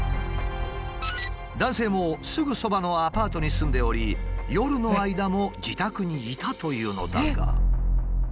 男性もすぐそばのアパートに住んでおり夜の間も自宅にいたというのだが。